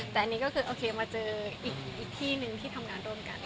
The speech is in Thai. แต่อันนี้ก็คือโอเคมาเจออีกที่หนึ่งที่ทำงานร่วมกัน